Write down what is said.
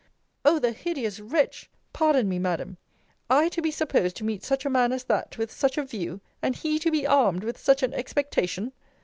O the hideous wretch! Pardon me, Madam. I to be supposed to meet such a man as that, with such a view! and he to be armed with such an expectation!